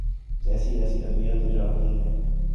ایسی ایسی ادویات ایجاد کی ہیں۔